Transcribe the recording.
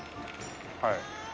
はい。